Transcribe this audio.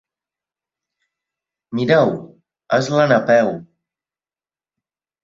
Mireu, és la Napeu!